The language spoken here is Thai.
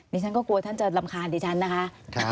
ฉันก็กลัวท่านจะรำคาญดิฉันนะคะ